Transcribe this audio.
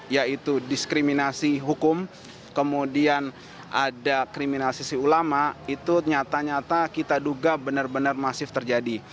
yaitu diskriminasi hukum kemudian ada kriminalisasi ulama itu nyata nyata kita duga benar benar masif terjadi